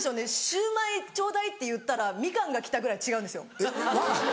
「焼売ちょうだい」って言ったらミカンが来たぐらい違うんですよ。